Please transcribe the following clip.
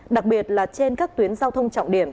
đặc biệt là trên các tuyến giao thông trọng điểm